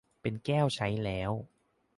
เป็นแก้วใช้แล้ว